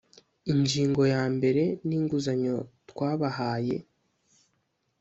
Ingingo yambere ninguzanyo twabahaye